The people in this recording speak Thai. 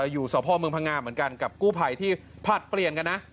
อยู่สพเมืองพังงาเหมือนกันกับกู้ภัยที่ผลัดเปลี่ยนกันนะ